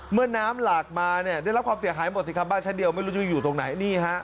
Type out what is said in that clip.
เมื่อน้ำหลากมาเนี่ยได้รับความเสียหายหมดสิครับบ้านชั้นเดียวไม่รู้จะอยู่ตรงไหนนี่ฮะ